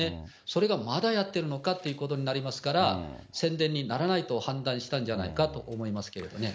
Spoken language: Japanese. それがまだやってるのかということになりますから、宣伝にならないと判断したんじゃないかと思いますけれどもね。